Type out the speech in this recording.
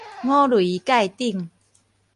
五雷蓋頂